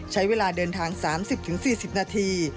ใช้เวลาเดินทาง๓๐๔๐นาที